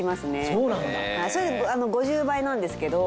それで５０倍なんですけど。